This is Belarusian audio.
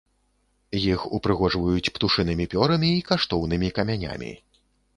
Іх ўпрыгожваюць птушынымі пёрамі і каштоўнымі камянямі.